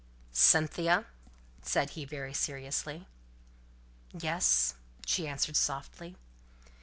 "Cynthia," said he, very seriously. "Yes!" she answered, softly.